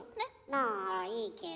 ならいいけど。